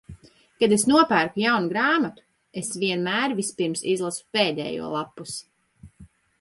Kad es nopērku jaunu grāmatu, es vienmēr vispirms izlasu pēdējo lappusi.